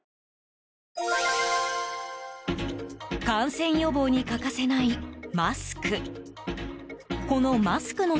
感染予防に欠かせないマスク。